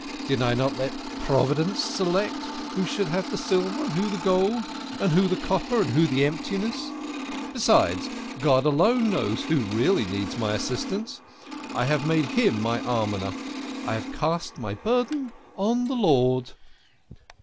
Did I not let Providence select who should have the silver and who the gold, who the copper and who the emptiness? Besides, God alone knows who really needs my assistance I have made Him my almoner ; I have cast my burden on the Lord."